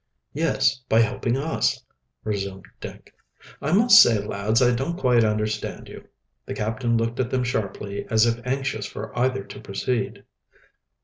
"Yes, by helping us," resumed Dick. "I must say, lads, I don't quite understand you." The captain looked at them sharply, as if anxious for either to proceed.